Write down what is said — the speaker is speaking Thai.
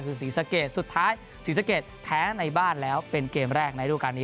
คือศรีสะเกดสุดท้ายศรีสะเกดแพ้ในบ้านแล้วเป็นเกมแรกในรูปการณนี้